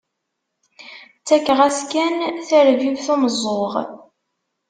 Ttakeɣ-as kan, tarbibt umeẓẓuɣ.